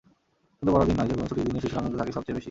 শুধু বড়দিন নয়, যেকোনো ছুটির দিনে শিশুর আনন্দ থাকে সবচেয়ে বেশি।